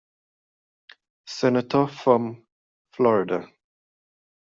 Senator from Florida.